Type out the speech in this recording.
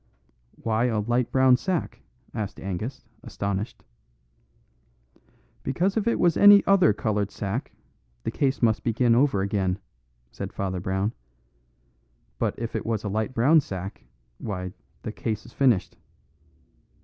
"Why a light brown sack?" asked Angus, astonished. "Because if it was any other coloured sack, the case must begin over again," said Father Brown; "but if it was a light brown sack, why, the case is finished."